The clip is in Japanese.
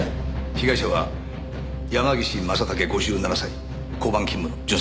被害者は山岸正武５７歳交番勤務の巡査部長。